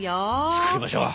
作りましょう。